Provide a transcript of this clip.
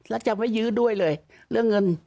แล้วจะไม่ยื้อด้วยเลยเรื่องเงิน